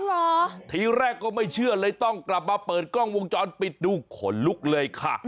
เหรอทีแรกก็ไม่เชื่อเลยต้องกลับมาเปิดกล้องวงจรปิดดูขนลุกเลยค่ะ